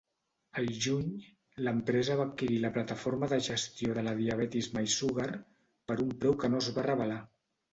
Al juny, l'empresa va adquirir la plataforma de gestió de la diabetis mySugr per un preu que no es va revelar.